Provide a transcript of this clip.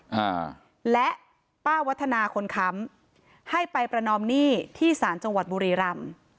อ่าและป้าวัฒนาคนค้ำให้ไปประนอมหนี้ที่ศาลจังหวัดบุรีรำ